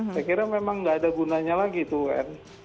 saya kira memang nggak ada gunanya lagi itu un